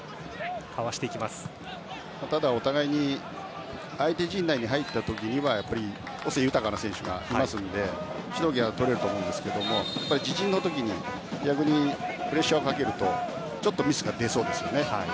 ただ、お互い相手陣内に入った時は個性豊かな選手がいますので主導権は取れると思うんですが自陣の時にプレッシャーをかけるとちょっとミスが出そうですね。